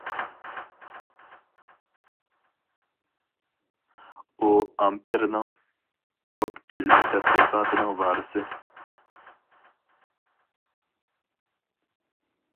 ئۇ ئامپېرنىڭ توك ئىلمى تەتقىقاتىنىڭ ۋارىسى.